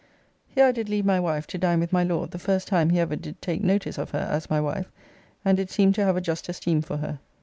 Here I did leave my wife to dine with my Lord, the first time he ever did take notice of her as my wife, and did seem to have a just esteem for her.